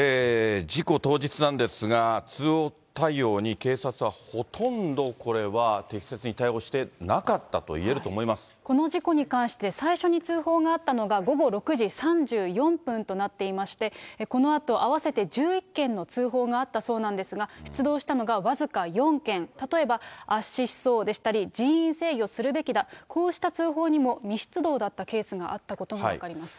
事故当日なんですが、通報対応に警察はほとんどこれは適切に対応してなかったといえるこの事故に関して、最初に通報があったのが午後６時３４分となっていまして、このあと、合わせて１１件の通報があったそうなんですが、出動したのが僅か４件、例えば圧死しそうでしたり、人員制御するべきだ、こうした通報にも未出動だったケースがあったことが分かります。